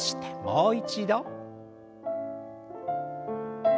もう一度。